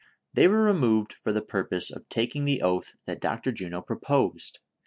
They were re moved for the purpose of taking the oath that Dr. Juno proposed.